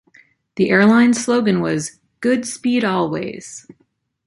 The airline's slogan was "Good Speed Always".